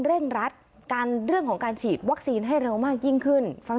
เร่งรัดการเรื่องของการฉีดวัคซีนให้เร็วมากยิ่งขึ้นฟัง